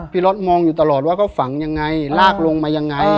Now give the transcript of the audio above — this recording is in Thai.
รถมองอยู่ตลอดว่าเขาฝังยังไงลากลงมายังไง